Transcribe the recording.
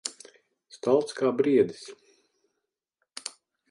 Stalts kā briedis.